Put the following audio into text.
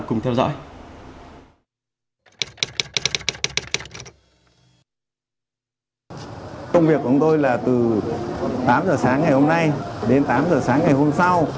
công việc của chúng tôi là từ tám giờ sáng ngày hôm nay đến tám giờ sáng ngày hôm sau